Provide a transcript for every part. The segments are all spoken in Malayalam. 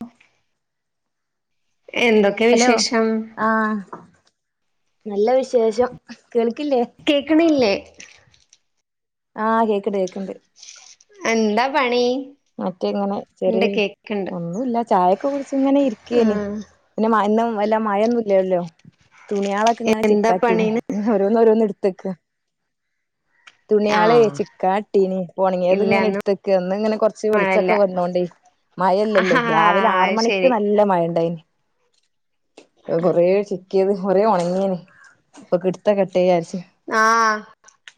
ആ [unintelligible] എന്തൊക്കെ വിശേഷം ആഹ് നല്ല വിശേഷം കേൾക്കില്ലേ കേക്കിണില്ലേ ആഹ് കേക്ക്ണ്ട് കേക്ക്ണ്ട്. എന്താ പണി മറ്റേങ്ങനെ ഇണ്ട് ചെറിയൊരു, കേക്ക്ണ്ട് ഒന്നുല്ല. ചായൊക്കെ കുടിച്ച് ഇങ്ങനെ ആ ഇരിക്കേനി. പിന്നെ ഇന്നും വല്ല മഴൊന്നുംല്ലല്ലോ? തുണിയാളക് ക്ക് ഇങ്ങനെ എന്താ ചിക്കാട്ടീനി. പണീന്ന് പിന്ന ഓരോന്നോരോന്ന് എട്ത്തെക്കാ. ആ തുണിയാളേ ചിക്കാട്ടീനി. അപ്പൊ ഒണങ്ങിയേത് ഇല്ല ഇങ്ങനെ ഇന്ന് എടുത്തക്കാ. ഇന്നിങ്ങനെ കൊറച്ച് മഴല്ല വെളിച്ചൊക്കെ വന്നോണ്ടേ. മഴല്ലല്ലോ? ആഹാ രാവിലെ ആറ് അത് ശരി മണിക്ക് നല്ല മഴ ഇണ്ടായിനി. കൊറേ ചിക്കിയത് കൊറേ ഒണങ്ങീന്. ഇപ്പൊ കിട്ട കിട്ടീ വിചാരിച്ച്. ആഹ്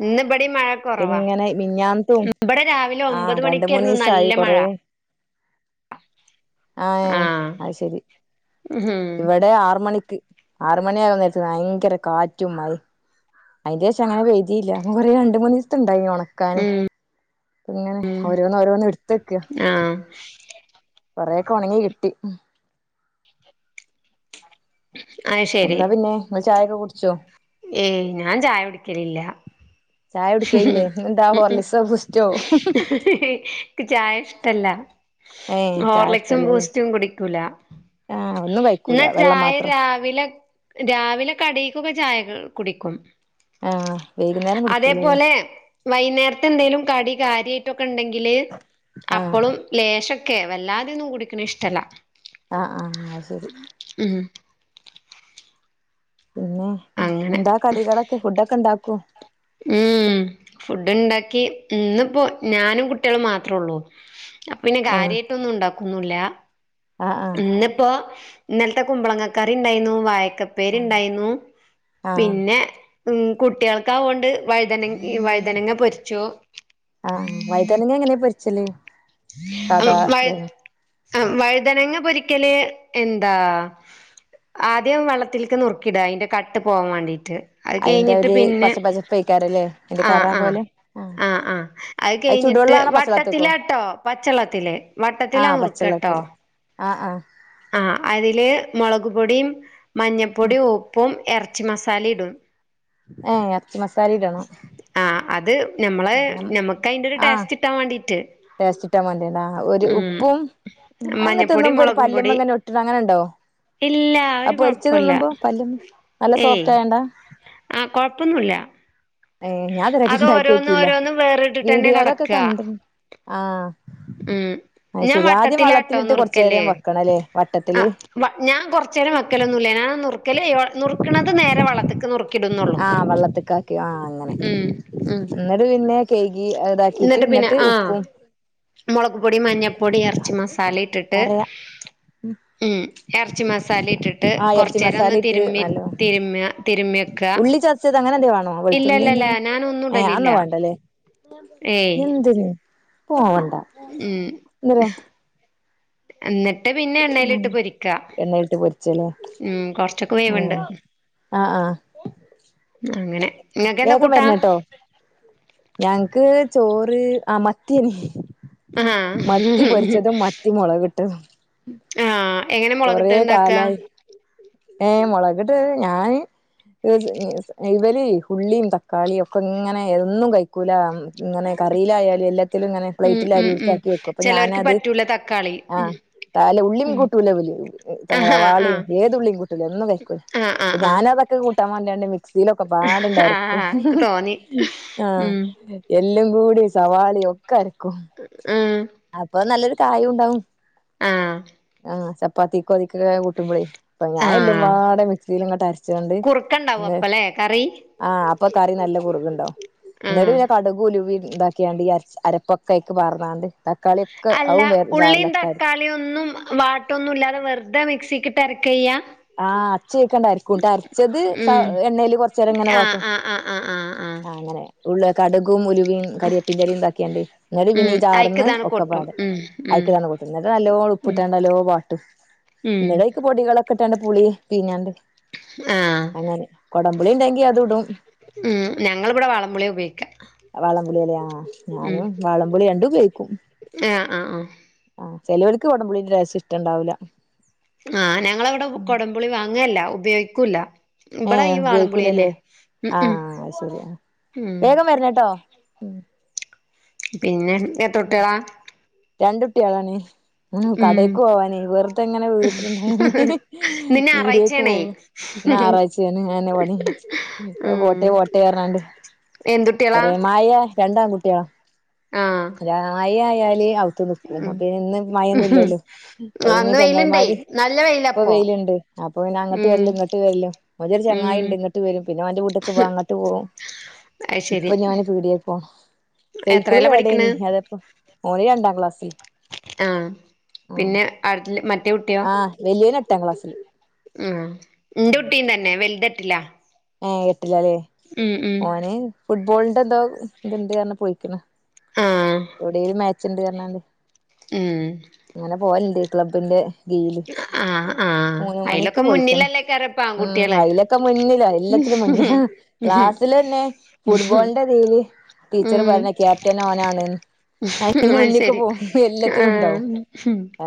ഇന്ന് ഇബടീം മഴ കൊറവാ. ഇങ്ങനെ മിഞ്ഞാന്നത്തും ഇവിടെ രാവിലെ ആഹ് ഒമ്പത് രണ്ട് മണിക്കായിരുന്നു മൂന്നീസായി നല്ല മഴ. കൊറേ ആ ഏഹ്. അയ്ശരി. ഉം ഇവിടെ ആറ് മണിക്ക്. ആറ് മണിയാകാൻ നേരത്ത് ഭയങ്കര കാറ്റും മഴയു. അതിന്റെ ശേഷം അങ്ങനെ പെയ്തീല്ല. എന്നാ പറയാ രണ്ട് മൂന്ന് ദിവസണ്ടായി മോളേ. ക്കാനെ. ഉം ഇങ്ങനെ ഉം ഓരോന്ന് ഓരോന്ന് എട്ത്തക്കാ. ആ കൊറേയൊക്കെ ഒണങ്ങി കിട്ടി. ഉം. അയ്ശ എന്ത പിന്നെ? ഇങ്ങള് ചായയൊക്കെ കുടിച്ചോ? ഏയ് ഞാൻ ചായ കുടിക്കലില്ല. ചായ ഉ കുടിക്കയില്ലേ ഇന്നെന്താ ഉ ഹോർലിക്സോ ബൂസ്റ്റോ ഹ് ഹ് ക്ക് ചായ ഇഷ്ടല്ല. ഏഹ് ചായ ഹോർലിക്സും ഇഷ്ടല്ലല്ലേ ബൂസ്റ്റും കുടിക്കൂല. ആഹ് ഒന്നും എന്ന കഴിക്കൂല വെള്ളം ചായ മാത്രം രാവിലെ രാവിലെ കടീക്കൊക്കെ ചായകെ കുടിക്കും. ആഹ് വൈകുന്നേരം കുടിക്കൂലല്ലേ അതേപോലെ വൈന്നേരത്തെ എന്തെലും കടി കാര്യായിട്ടൊക്കെ ഇണ്ടെങ്കില് ആഹ് അപ്പളും ലേശൊക്കെ. വല്ലാതെയൊന്നും കുടിക്കണ ഇഷ്ടല്ല. ആഹ് ആഹ് അത് ശരി. ഉം. പിന്നെ. അങ്ങനെ എന്താ കടികളൊക്കെ, ഫുഡ്ഡൊക്കെ ഇണ്ടാക്കു. ഉം. ഫുഡ്ഡ്ണ്ടാക്കി. ഇന്ന്പ്പോ ഞാനും കുട്ടികളും മാത്രള്ളൂ. അപ്പ പിന്നെ ആഹ് കാര്യായിട്ടൊന്നു ഇണ്ടാക്കൊന്നുല്ല. ആഹ് ആഹ് ഇന്നിപ്പോ ഇന്നലത്തെ കുമ്പളങ്ങക്കറി ഇണ്ടായിരുന്നു, വായക്കപ്പേരി ആഹ് ഇണ്ടായിരുന്നു, ആഹ് പിന്നെ ഉം കുട്ടികൾക്കത് കൊണ്ട് വഴുതന വഴുതനങ്ങ പൊരിച്ചൂ. ആഹ് വഴ്തനങ്ങ എങ്ങനെയാ പൊരിച്ചല്? സാധാ അഹ് വഴ് ഇതന്നെ വഴുതനങ്ങ പൊരിക്കല് എന്താ ആദ്യം വെള്ളത്തിലേക്ക് നുറ്ക്കിയ്ടാ അതിന്റെ കട്ട് പോവാൻ വേണ്ടീട്ട്. അത് അയിന്റെ കയിഞ്ഞിട്ട് ഒരു പിന്നെ, പച്ച പച്ചപ്പേക്കാരല്ലേ അയിന്റെ ആഹ് കറ ആഹ് പോലെ ആഹ് ആഹ്. അത് കയിഞ്ഞിട്ട്, ചുടുവെള്ളാണോ പച്ചള്ളത്തിക്കോ വട്ടത്തിലാട്ടോ, പച്ചള്ളത്തില്. വട്ടത്തിലാ ആഹ് നുറുക്കാട്ടോ. പച്ചള്ളത്തില് ആഹ് ആഹ്. ആഹ് അതില് മൊളക് പൊടിയും മഞ്ഞപ്പൊടിയും ഉപ്പും എറച്ചി മസാലയും ഇടും. ഏഹ് എറച്ചി മസാല ഇടണം. ആഹ് അത് ഞമ്മളെ എല്ലാം ഞമ്മക്കയ്ന്റെ ഒരു ടേസ്റ്റിട്ടാൻ വേണ്ടീട്ട്. ടേസ്റ്റിട്ടാൻ വേണ്ടിയാണാ ആഹ്. ഒരു ഉം ഉപ്പും, അതിങ്ങന മഞ്ഞപ്പൊടി തിന്നുമ്പൊ ഒരു മുളകും പൊടി പല്ല്മ്മ ഇങ്ങനെ ഒട്ട് ട്ട്ണ അങ്ങനെണ്ടോ? ഇല്ല ഒരു അത് പൊരിച്ച് കൊഴപ്പല്ല തിന്നുമ്പോ പല്ലും, നല്ല സോഫ്റ്റ് ആയോണ്ടാ? ആഹ് കൊഴപ്പൊന്നുല്ല. ഏഹ് ഞാൻ ഇതുവരെയായിട്ട് ഇണ്ടാക്കി അതോരോന്നു നോക്കിയില്ല ഓരോന്നു വേറിട്ടിട്ടന്നെ വീഡിയോലൊക്കെ കെടക്കാ. കണ്ട് ആഹ്. ഉം. അത് ഞാൻ ശെരി ആദ്യം വട്ടത്തിലാട്ടോ വള്ളത്തിലിട്ട് കൊറച്ചു നുറുക്കല്. നേരം വെക്കണല്ലേ വട്ടത്തില് അഹ് ഞാൻ കൊറച്ച് നേരം വെക്കലൊന്നുല്ല. ഞാൻ നുറുക്കല് നുറുക്കണത് നേരെ വെള്ളത്തിക് ക്ക് നുറുക്കിടുന്നുള്ളു. ആഹ് വെള്ളത്തിക്കാക്കി ആഹ് അങ്ങനെ ഉം ഉം. എന്നിട്ട് പിന്നെ കൈകി ഇതാക്കിട്ട് പിന്നെ എന്നിട്ട് ആ ഉപ്പും മൊളക് പൊടി മഞ്ഞപ്പൊടി എറച്ചി മസാല ഇട്ടിട്ട് പറയാ ഉം ഇറച്ചി മസാല ഇട്ടിട്ട് ആഹ് ഇറച്ചി കൊറച്ച് നേരം ഒന്ന് മസാല ഇട്ട് തിരുമ്മി നല്ല തിരുമ്മ തിരുമ്മിയെക്ക ഉള്ളി ചച്ചത് അങ്ങനെ എന്തേ വേണോ വെളുത്തുള്ളി ഇല്ലല്ലല്ല എന്തേ ഞാനൊന്നും ഏ ഇടലില്ല അന്നോ വേണ്ടല്ലേ ഏയ് എന്തിന് പോവണ്ട ഉം എന്തിന് എന്നിട്ട് പിന്നെ ഉം എണ്ണയിലിട്ട് പൊരിക്കാ എണ്ണയിട്ട് പൊരിച്ചല്ലേ ഉം കൊറച്ചൊക്കെ വേവുണ്ട് ആഹ ആഹ അങ്ങനെ നിങ്ങക്ക് എന്താ കൂട്ടാ വരണട്ടോ ഞങ്ങക്ക് ചോറ് ആ മത്തിയ നി ആഹ് മത്തി പൊരിച്ചതും മത്തി മുളകിട്ടതും ആഹ് എങ്ങനെ മുളകിട്ട് ഇണ്ടാക്ക ഏയ് മുളകിട്ട് ഞാന് ഇവര് ഉള്ളിയും തക്കാളിയും ഒക്കെ ഇങ്ങനെ എന്നും കഴി ക്കുല ഇങ്ങനെ കറിയിലായാലും എല്ലാത്തിലും ഇങ്ങനെ ഉം ഉം പ്ലേറ്റിലായാലും ഉം ഉൾക്കാക്കി വെക്കും അപ്പൊ ചെലോർക്ക് ഞാനത് പറ്റൂല തക്കാളി ഉം തല ഉള്ളിയും ഉം കൂട്ടൂല ആഹാ സവാളയും ആഹ് ഏതുള്ളിയും കൂട്ടൂല ഒന്നും കഴിക്കൂല ആഹ് ആഹ് അപ്പ ആഹ് ഞാനൻ അതൊക്കെ കൂട്ടാൻ വാണ്ടിയാണ് മിക്സിയിലൊക്കെ പാട്ണ്ട രക്കും ആഹ് ഇക്ക് തോന്നി ആ ഉം എല്ലും കൂടി സവാളയും ഒക്കെ അരക്കും ആഹ് അപ്പൊ നല്ലൊരു കായം ഉണ്ടാവും ആഹ് ആ ചപ്പാത്തി കൊതിക്കൊക്കെ കൂട്ടുമ്പോളേ ഞാനെ ആഹ് ല്ലുംപാടെ മിക്സിൽ ഇങ്ങോട്ട് അരച്ചൊണ്ട് കുറുക്ക ഇണ്ടാവും ഇന്ന് അപ്പല്ലേ കറി ആഹ് അപ്പൊ കറി നല്ല കുറക്ണ്ടാവുംഎന്നിട്ട് ആഹ് പിന്നെ കടക് ഉലുവി ഇന്താക്ക ക്കിയാണ്ട്അരപ്പൊക്കെയിക്ക പറഞ്ഞാണ്ട് തക്കാളിയ ഒക്കെ അവും വേറെ ജാറിലൊക്കെ ആരിക്കും ന്നും വാട്ടൊന്നും ഇല്ലാതെ വെറുതെ മിക്സിരക്ക ചെയ്യ ആഹ് അച്ച് വെക്കണ്ട [unintelligible] കൂട്ടഅരച്ചത് ഉം എണ്ണൽ കൊറച്ച് നേരം ഇങ്ങനെ ആഹ് വാട്ടും ആഹ് ആഹ് ആഹ് ആഹ് ആഹ് ആ അങ്ങനെ ഉള്ള കടുകും ഉലുവിയും കരിയപ്പിൻ ഇലയും ഇതാക്കിയാണ്ട് എന്നിട്ട് പിന്നെ ഉം ജാർന്ന് അയിക്ക്താണ് കൊട്ടും ഒക്കെപ്പാട് ഉം ഉം അയക്കലത് കൊട്ടും എന്നിട്ട് നല്ലോ ഉം ഉപ്പിട്ടാണ്ട് നല്ലോ വാട്ടും ഉം ഇന്നട്ട് അയ്ക്ക് പൊടികളൊക്കെ ഇട്ടാണ്ട് പുളി പിഴിഞ്ഞാണ്ട് ആഹ് അങ്ങനെ കൊടമ്പുളി ഉണ്ടെങ്കി അത് ഇടും ഉം ഞങ്ങൾ ഇവിടെ വാളം പുളിയ ഉപയോഗിക്ക വാളം പുളി എലയാ ആ ഞാനും വാളംപുളി രണ്ടും ഉപയോഗിക്കും ആഹ് ആഹ് ആഹ് ആ ചിലവർക്ക് കുടംമ്പുളിന്റെ ടേസ്റ്റ് ഇഷ്ടണ്ടാവില്ല ആഹ് ഞങ്ങളവിടെ കൊടംപുളി വാങ്ങല്ല ഉപയോഗിക്കൂല്ല ഏ ഇബടെ ഈ വാളംപുളിയന്നെ ഉപയോഗിക്കൂലല്ലേ ഉം ഉം ആഹ് ശരി ഉം വേഗം വരണോട്ടോ പിന്നെ എത്രകുട്ടികളാ രണ്ടുട്ടി കളാണ് ഉ ഉം കടേക്ക് പോവാനേ വെറുത എങ്ങനെ വീട്ടിലിരുന്ന്ണ്ടായി ഇന്ന് വീടേക്ക് ഞായറാഴ്ചയാണേ പോവാ ഇന്ന്ഞായറാഴ്ചയാണ് ഇന്നെന്നാ പണി പോട്ടേ പോട്ടെ എറഞ്ഞാണ്ട് എന്തുട്ടില രണ്ട് ആൺ കുട്ടികളാ [unintelligible] ആയല് ത്ത് നിക്കും ഉം പിന്നെ ഇന്ന് ആഹ് മയൊന്നുംല്ലല്ലോ പിന്നെ ഇന്ന് വെയില്ണ്ടേ ചെങ്ങായിമാര് നല്ല ഇപ്പൊ വെയിലാപ്പൊ വെയിലുണ്ട് അപ്പൊ പിന്ന അങ്ങട്ട് ഉം വരല്ല് ഇങ്ങട്ട് വരല് ഒരു ചങ്ങായി ഉം ഇങ്ങിട്ട് വരും അവ ന്റെ വീട്ടൊക്ക് പോവാ അങ്ങട്ട് പോകും അയ് ശരി യുഡിഎഫോ സൈക്കിള് പഠിക്കണ് കേട്ടാനി അതപ്പ ഓന് രണ്ടാം ക്ലാസ്സില് ആ പിന്നെ അടു മറ്റ ആഹ് വലിയ വന് എട്ടാം ക്ലാസ്സിൽ ആ എന്റെ കുട്ടിയും തന്നെ വലുതായിട്ടില്ല ഏഹ് എട്ടിലാല്ലേ ഓന് ഫുട്ബോളിന്റെ എന്തോ ഇത്ണ്ട് പറഞ്ഞ് പോയിക്ക്ണ് ആഹ് എവിടെലും മാച്ച്ണ്ട് പറഞ്ഞാണ്ട് ഉം അങ്ങനെ പോവല്ണ്ട് ക്ലബ്ബിന്റെ ഗീയില് ആഹ് ആഹ് മൂന്ന് മണിക്ക് അയിലൊക്കെ പോയിക്ക്ണ് മുന്നിലല്ലേക്കാരം ഇപ്പൊ ഉം ആൺകുട്ടികള് അയിലൊക്കെ മുന്നിലാ എല്ലത്തിലും മുന്നിലാ ക്ലാസ്സില് തന്നെ ഫുട്ബോളിന്റെ ഇതീല് ടീച്ചർ ഉം പറയ്ണ് ക്യാപ്റ്റൻ ഓനാണ് അയിന് അത് മുന്നിക്ക് ശരി പോവും എല്ലാത്തിനും ഇണ്ടാവും ആഹ്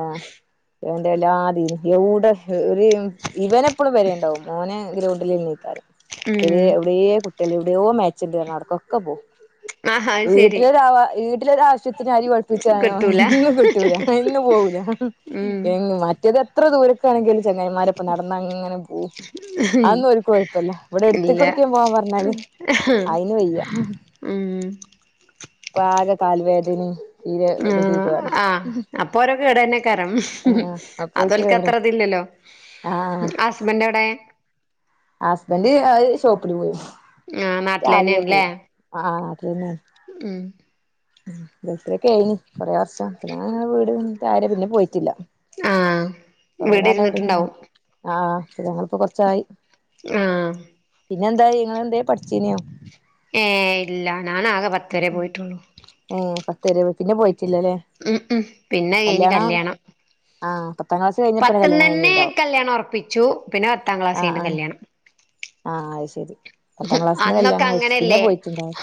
ആഹ കണ്ട എല്ലാ ഇതീനും എവുടെ ഒരു ഇവനെപ്പഴും പെരേണ്ടാവും മോന് ഗ്രൗണ്ടില്ന്നെ ഏക്കാരം ഇത് ഉം എവിടെയേ കുട്ട്യാള് എവിടെയോ മാച്ച് ഇണ്ട് പറഞ്ഞ് അവിട്ക്കൊക്കെ പോവും ആഹ് അത് ശരി വീട്ടിലൊരാവ വീട്ടിലൊരവശ്യത്തിന് ത്തി അരി പൊടിപ്പിച്ചാനോ കിട്ടൂല എന്നും കിട്ടൂല അയിനൊന്നും പോവൂല ഉം എന്നും മറ്റേത് എത്ര ദൂരൊക്കാണെങ്കിലും ചെങ്ങായിമാരൊപ്പം നടന്ന് അങ്ങനെ പോവും അത് ഒന്നും ഓര്ക്ക് പ്പല്ല ഇവിടെ ഇല്ല എടുത്തിക്കി ഓട്ക്കേന് പോവാൻ പറഞ്ഞാല് അയിന് വയ്യ ഉം അപ്പാകെ കാല് വേദനിം ഉം ആഹ അപ്പൊ ഓരൊക്കെ കെടന്നെ ആക്കാരം ആഹ് അതോല്ക്ക് അത്ര ഇതില്ലല്ലോ [unintelligible] ആഹ ഹസ്ബന്റ് എവിടെ ഹസ്ബന്ന്റ് അത് ഷോപ്പില് പോയി ആഹ് രാവിലേ നാട്ടിലെന്നെണ്ല്ലേ പോവും ആ നാട്ടിൽ തന്നെയാണ് ഉം ഗൾഫ് ലൊക്കെ ഏയിന് കുറേ വർഷം പിന്നെ അങ്ങനെ വീട് ആയരെ പിന്നെ പോയിട്ടില്ല ആഹ് വീട് കൊറേകാലം അവിടെന്നെനി ഇരുന്നിട്ടുണ്ടാവും ആഹ ഞങ്ങളിപ്പ കൊറച്ചായി ആഹ പിന്നെ എന്തായി ഇങ്ങള് എന്തേം പഠിച്ചീന്യോ ഏഹ് ഇല്ല ഞാനാകെ പത്ത് വരെ പോയിട്ടുള്ളു ഏഹ് പത്ത് വരെ പോയി പിന്നെ പോയിട്ടില്ലല്ലേ ഉം ഉം പിന്നെ കഴിഞ്ഞ് കല്യാണം ആഹ പത്താം ക്ലാസ്സ്‌ കയിഞ്ഞ് പത്ത്ന്ന്ന്നെ തന്നെ കല്യാണം ഉറപ്പിച്ചു പിന്നെ പത്താം ക്ലാസ് കയിഞ്ഞിട്ട് കല്യാണം ആഹ അത് ശരി പത്താം ക്ലാസ്സിന്ന് അന്നൊക്കെ കല്യാണം കഴിച്ച് പിന്നെ അങ്ങനെയല്ലേ പോയിട്ടുണ്ടാവുല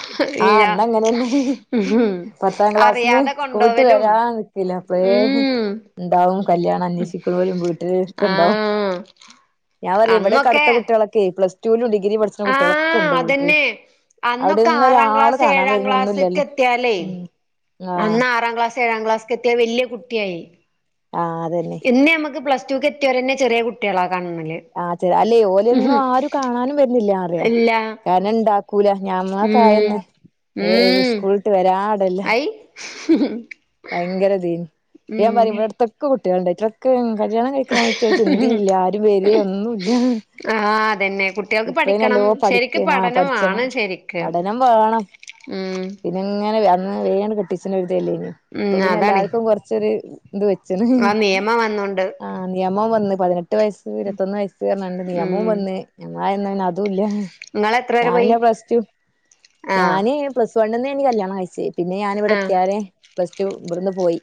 ആഹ് ഇല്ല അന്ന് അങ്ങനെന്നെ ഉം പത്താം ക്ലാസ്സിന്ന് അറിയാതെ സ്കൂൾട്ട് കൊണ്ടോവലും വരാ നിക്കേല അപ്പളേ ഉം ഇണ്ടാവും കല്യാണം അന്വേഷിക്ക്ണോലും വീട്ടില് ഇരിക്ക്ണ്ടാവും ആഹ് ഞാൻ പറയും ഇവിടെക്കെ അന്നൊക്കെ അടുത്ത കുട്ടികളൊക്കെ കെ എ പ്ലസ് റ്റൂ ലും ഡിഗ്രി പഠിച്ച്ണ കുട്ട്യാളൊക്കെ ആഹ് ഇണ്ട് വീട്ടിൽ അതന്നെ അന്നൊക്കെ അവിടെന്ന് ആറാം ഒരാള് ക്ലാസ് കാണാൻ ഏഴാം വരുന്ന ഒന്നും ക്ലാസ്ക്ക് ഇല്ലല്ലോ എത്തിയാലേ അന്ന് ആറാം ക്ലാസ് ഏഴാം ക്ലാസ്ക്ക് എത്തിയാൽ വല്ല്യ കുട്ടിയായി ആഹ അതന്നെ ഇന്ന് നമ്മക്ക് പ്ലസ്ടുക്ക് എത്തിയോരെന്നെ ചെറിയ കുട്ട്യാളാ കണ്ണില് ആഹ് അല്ലേ ഓലൊന്നും ആരും കാണാനും വരുന്നില്ല പറിയ ഇല്ല കാരണം ഇണ്ടാ കൂല ഉം ഞമ്മക്കായന്ന് ഏഹ് ഉം സ്കൂളിട്ട് വരാൻ അയി ഭയങ്കര ഇതേന് ഇപ്പ ഞാൻ ഉം പറയും ഇവിടെ അടുത്തൊക്കെ കുട്ട്യാള്ണ്ട് ഇത്രൊക്കെ കല്യാണം കഴിക്കണായി ചിന്തിം ഇല്ല ആരും വെരെ ഒന്നും ഇല്ല ആഹ അതന്നെ കുട്ട്യാൾക്ക് പഠിക്കണം ശരിക്കും പഠിക്ക ആഹ് പഠനം പഠിച്ചണം വാണം ശരിക്ക് ഉം പിന്ന ഇങ്ങനെ അന്ന് വേണ്ട് കെട്ടിച്ച്ണൊര്തെല്ലേ ഇപ്പൊ ഉം പിന്നെ അതാണ് എല്ലാർക്കും കുറച്ചൊരു ഇത് വെ ആ നിയമം വന്നോണ്ട് ആഹ നിയമം വന്ന് പതിനെട്ട് വയസ് ഇരുപത്തൊന്ന് വയസ്സ് പറഞ്ഞാണ്ട് നിയമോം ഉം വന്ന് എന്ന പിന്നെ അതും ഇല്ല നിങ്ങള് എത്ര വരെ ഞാൻ പോയി പിന്നെ പ്ലസ് ടു ആഹ് ഞാന് പ്ലസ് വണ്ന്നേനി കല്യാണം കഴിച്ചത് പിന്നെ ആഹ് ഞാനിവിടെത്ത്യാരെ പ്ലസ് ടു ഇവിടുന്ന് പോയി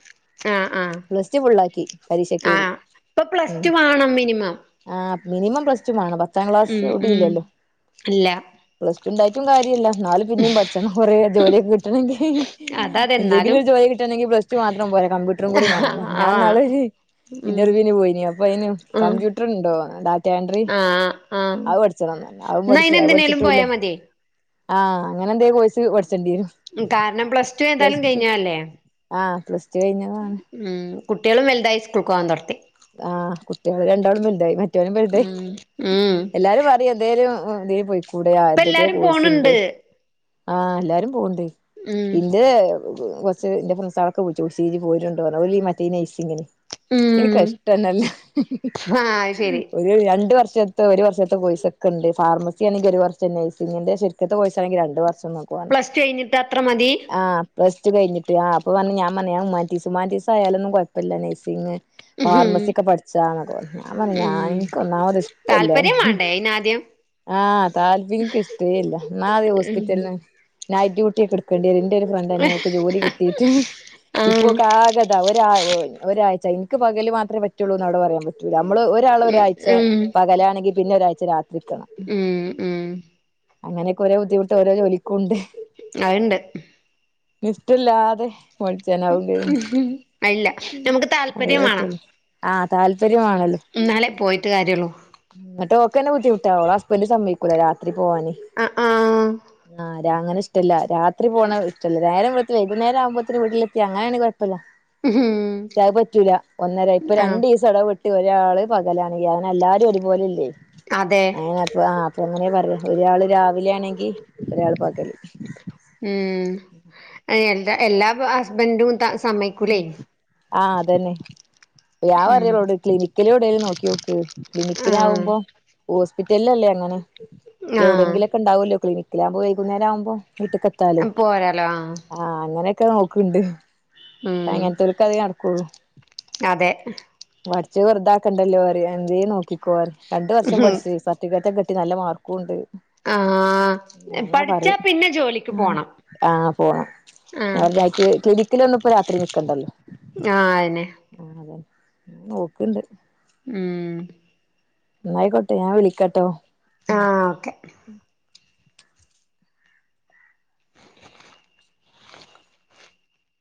ആഹ് ആഹ് പ്ലസ് ടു ഫുള്ളാക്കി പരീക്ഷകെ എയ്തി ആഹ് ഇപ്പൊ പ്ലസ് ഉം ടു വാണം മിനിമം ആഹ മിനിമം പ്ലസ് ടു വണം പത്താം ക്ലാസ് ഉം എവ്ടി ഉം ഇല്ലല്ലോ ഇല്ല പ്ലസ് ടു ഉണ്ടായിട്ടും കാര്യല്ല ന്നാലും പിന്നിം പഠിച്ചണം കൊറേ ജോലിയൊക്കെ കിട്ടണമെങ്കിൽ അതതെ എന്തെങ്കിലു എന്നാലും ഒര് [unintelligible] കിട്ടണേങ്കിൽ പ്ലസ് ടു മാത്രം പോയാ കമ്പ്യൂറും കൂടി മാണം ഞാ ആഹ് നാളെ ഉം ഇന്റർവ്യൂവിന് പോയിനി അപ്പൊ അയിന് ഉം കമ്പ്യൂട്ടർുണ്ടോ ഡാറ്റ എൻട്രി ആഹ് ആഹ് അത് പഠിച്ചണെന്ന് അത് ഇന്നാ പഠിച്ച അയിന് അത് എന്തിനേലും പഠിച്ചിട്ടുല്ല പോയാ മതി ആഹ് അങ്ങനെ എന്തേ കോയിസ് പഠിച്ചേണ്ടിരും കാരണം പ്ലസ് ടു ഏതായാലും കഴിഞ്ഞല്ലേ ആഹ് പ്ലസ്റ്റ് കഴിഞ്ഞാതാണ് ഉം കുട്ട്യേളും വൽതായി സ്കൂൾക്ക് പോകവാൻ തൊട്ത്തി ആഹ കുട്ടികൾ രണ്ടോളും വൽതായി മറ്റൊനും വൽതായി ഉം ഉം എല്ലാരും പറ എന്തേലും ഇതിന് പോയിക്കൂടെ ഇപ്പ അർതൊക്കെ എല്ലാരും കൊയിസ്ണ്ട് പോണുണ്ട് ആഹ് എല്ലാരും പോണ്ട് ഉം ഇന്റെ കൊറച്ച് എന്റെ ഫ്രൻസളൊക്കെ വിളിച്ചു [unintelligible] ഇജ് പോരണ്ടോറഞ്ഞി ഒര് മറ്റേ ഈ നയിസിങ്ങിന് ഉം ഇനിക്കഷ്ട ട്ടന്നല്ല ആഹ് അത് ശരി രണ്ട് വർഷത്തെ ഒരു വർഷത്തെ കോയിസ ഒക്കെണ്ട് ഫാമസി ആണെങ്കിൽ ഒരു വർഷം നഴ്സിങ്ങിന്റെ ശ [unintelligible] കൊയിസാണെങ്കി രണ്ട വർഷം നോക്കുപർഞ് പ്ലസ് ടു കഴിഞ്ഞിട്ട് അത്ര മതി ആ പ്സ്റ്റ് കഴിഞ്ഞട്ട് ആ് അപ്പ പറഞ് ഞാൻ പറഞ് ഉമാന്റിസ് ഉമാൻറ്റീസ് ആയാലൊന്നും കുഴപ്പല്ല നൈ്സിങ് ഉം ഫാർമസൊക്കെ പഠിച്ചാന്നക്കപറഞ്ഞി ഞാൻ പറഞ്ഞി ഞാൻ ഉം എനിക്ക ഒന്നാത് ഇഷ്ടല്ല താല്പര്യം വാണ്ടേ അയിനാദ്യം ആഹ താൽപ്പീനക്ക് ഇഷ്ടെല്ല ന്നാ അതെ ഉം ഹോസ്പിറ്റൽന് നൈറ്റ് ഡ്യൂട്ടിയ ഒക്കെ എടുക്കേണ്ടിരു ന്റെ ഒരു ഫ്രണ്ട്ന്നെ ഒക്ക് ജോലി കിട്ടിട്ട് ഇപ്പൊ ആഹ് കകത ഒരാ ഒരാഴ്ച എനിക്ക് പകല് മാത്രേ പറ്റുള്ളൂന്ന് അവിടെ പറയാം പറ്റ നമ്മള് ഒരാൾ ഒരാഴ്ച ഉം പകലാണെങ്കിൽ പിന്നെ ഒരാഴ്ച രാത്രിക്കണം ഉം ഉം അങ്ങനൊകോരോ ബുദ്ധിമുട്ട് ഓരോ ജോലിക്കുണ്ട് അത്ണ്ട് നിഷ്ടല്ലാതെ പട്ച്ചാന ആാവുംലലോ ഇല്ല നമുക്ക് താല്പര്യം വേണം ആഹ താല്പര്യമാണല്ലോ എന്നാലേ പോയിട്ട് കാര്യള്ളൂ ങ്ങട്ടൊക്ക തന്നെ ബുദ്ധിമുട്ടാവു ഓളെ ഹസ്ബന്റ് സമ്മയികൂല രാത്രി പോവാന് ആഹ് ആഹ് ആഹ രാ അങ്ങനെ ഇഷ്ടല്ല രാത്രി പോണ റ്റല്ല നേരം വെൽത് വൈകേരം ആുമ്പോത്തേനും വീട്ടിലത്തി അങ്ങനെയാണ് കുഴപ്പല്ല ഹം ശ പറ്റൂല ഒന്നര ഇപ്പൊ രണ്ടിസ ച്ചെടവിട്ട് ഒരാള് പകലാണെങ്കി എല്ലാരും ഒരുപോലല്ലേ അതെ ആഹ് അപ്പൊ ആഹ്. എങ്ങനെ പറയാ ഒരാള് രാവിലാണെങ്കി ഒരാള് പകല്. ഉം എ എന്താ എല്ലാ ഹസ്ബൻഡും ത സമ്മയ്ക്കൂലേ. ആഹ് അതന്നെ ഞാ പറയി ഉം ഓളോടെ ക്ലിനിക്കിലെവിടേലും നോക്കിയോക്ക്. ആഹ് ക്ലിനിക്കിലാവുമ്പോ ഹോസ്പിറ്റലല്ലേ അങ്ങനെ എവിടെങ്കിലൊക്കെ. ആഹ് ണ്ടാവോല്ലോ ക്ലിനിക്കിലാവുമ്പോ വൈകുന്നേരാവുമ്പോ വീട്ട്ക്കെ മ് പോരാലോ. ആഹ് അങ്ങനൊക്കെ നോക്ക്ണ്ട്. പ്പ ഉം അങ്ങൻത്തോര്ക്ക് അതെ നടക്കൊള്ളു. അതെ പഠിച്ചത് വെറുതാക്കണ്ടല്ലോറയു എന്തേ നോക്കിക്കോറയു രണ്ട് വർഷം പഠിച്ച് സർ ട്ടികറ്റൊക്കെ കിട്ടി നല്ല മാർകൂണ്ട്. ആഹ് പഠിച്ചാ ങ്ങപറീം പിന്നെ ജോലിക്ക് ആഹ് പോണം ആപോണം ആഹ് [unintelligible] ക്ലിനിക്കിലൊന്നും ഇപ്പൊ രാത്രി നിക്കണ്ടല്ലോ. ഞാഹ് അയന്നെ. ആഹ് അതന്നെ നോക്ക്ണ്ട്. ഉം. ന്നായിക്കോട്ടെ ഞാവിളിക്കട്ടോ. ആഹ് ഓക്കെ.